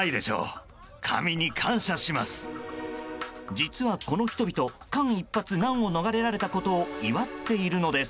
実は、この人々間一髪難を逃れられたことを祝っているのです。